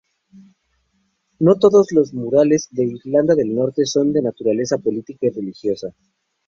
No todos los murales de Irlanda del Norte son de naturaleza política y religiosa.